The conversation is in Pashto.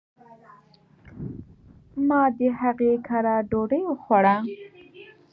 ما د هغي کره ډوډي وخوړه .